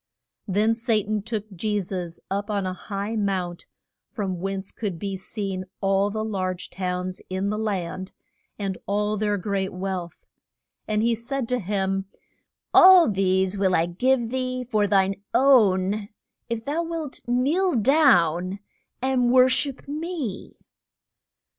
Then Sa tan took Je sus up on a high mount, from whence could be seen all the large towns in the land, and all their great wealth. And he said to him, All these will I give thee for thine own if thou wilt kneel down and wor ship me.